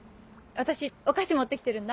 私お菓子持って来てるんだ。